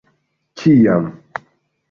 kiam